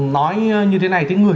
nói như thế này thì người